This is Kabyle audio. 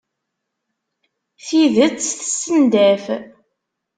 Tidet tessendaf.